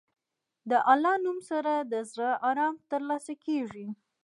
د الله نوم سره د زړه ارام ترلاسه کېږي.